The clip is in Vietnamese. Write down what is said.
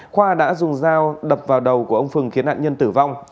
khoa đã dùng dao đập vào đầu của ông phừng khiến nạn nhân tử vong